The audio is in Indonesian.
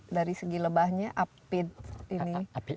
dari segi lebahnya apid ini